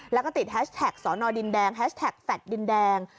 แล้วก็ติดแฮชแท็กสอนอดินแดงแฮชแท็กแฟลต์ดินแดง